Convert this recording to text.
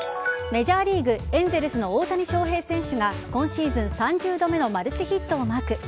メジャーリーグエンゼルスの大谷翔平選手が今シーズン３０度目のマルチヒットをマーク。